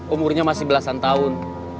umurnya masih belasan tahun